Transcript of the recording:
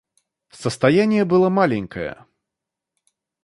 Состояние было маленькое.